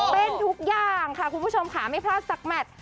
เป็นทุกอย่างค่ะคุณผู้ชมค่ะไม่พลาดสักแมท